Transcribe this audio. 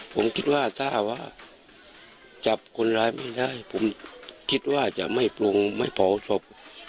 ผมคิดว่าถ้าว่าจับคนร้ายไม่ได้ผมคิดว่าจะไม่ปรุงไม่เผาศพ